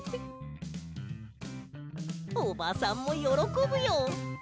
おばさんもよろこぶよ！